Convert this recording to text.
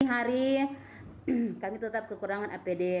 hari kami tetap kekurangan apd